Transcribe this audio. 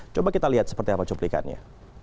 coba kita lihat seperti apa cuplikannya